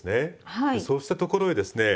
そうしたところへですね